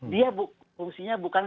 dia fungsinya bukan